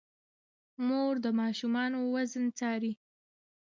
مور د ماشومانو وزن څاري.